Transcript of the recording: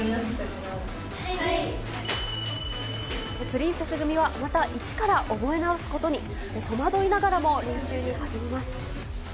プリンセス組は、また一から覚え直すことに、戸惑いながらも練習に励みます。